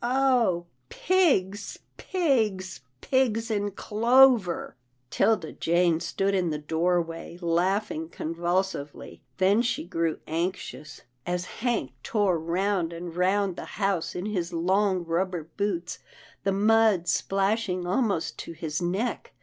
Oh! Pigs! Pigs! Pigs in clover !" 'Tilda Jane stood in the doorway, laughing con vulsively; then she grew anxious, as Hank tore round and round the house in his long rubber boots, the mud splashing almost to his neck.